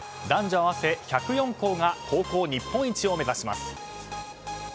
男女合わせ１０４校が高校日本一を目指します。